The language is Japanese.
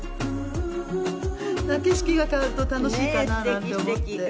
景色が変わると楽しいかななんて思って。